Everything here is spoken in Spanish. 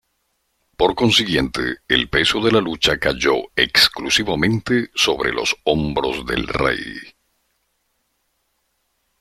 Por consiguiente, el peso de la lucha cayó exclusivamente sobre los hombros del rey.